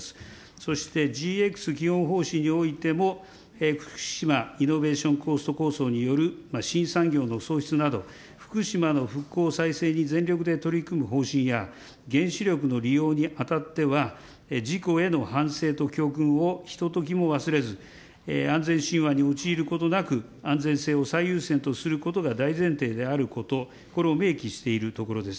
そして、ＧＸ基本方針においても、福島イノベーションコースト構想における新産業の創出など、福島の復興再生に全力で取り組む方針や、原子力の利用にあたっては、事故への反省と教訓をひとときも忘れず、安全神話に陥ることなく、安全性を最優先とすることが大前提であること、これを明記しているところです。